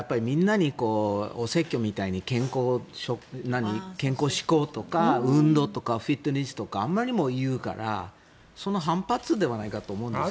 皆のお説教みたいな運動とかフィットネスとかあまりにも言うからその反発ではないかと思うんですね。